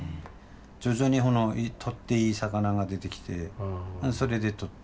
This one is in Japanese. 徐々にとっていい魚が出てきてそれでとって。